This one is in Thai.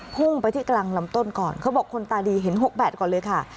พุ่งไปที่กลางลำต้นก่อนเขาบอกคนตาดีเห็น๖๘ก่อนเลยค่ะ